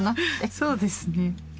そうですね。